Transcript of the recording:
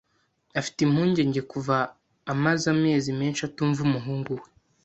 Afite impungenge kuva amaze amezi menshi atumva umuhungu we.